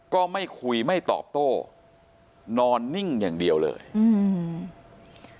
ก็ไม่คุยไม่ตอบโต้นอนนิ่งอย่างเดียวเลยอืม